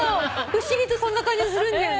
不思議とそんな感じするんだよね。